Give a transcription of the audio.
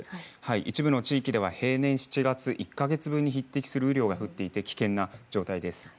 一部の地域では平年７月１か月分に匹敵する雨量が降っていて危険な状態です。